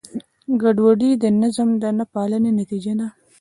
ګډوډي د نظم د نهپالنې نتیجه ده.